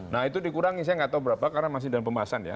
nah itu dikurangi saya nggak tahu berapa karena masih dalam pembahasan ya